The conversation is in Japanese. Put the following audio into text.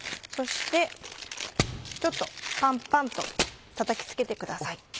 そしてちょっとパンパンとたたきつけてください。